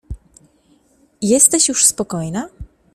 "Jesteś już spokojna?"